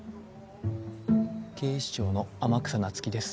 警視庁の天草那月です。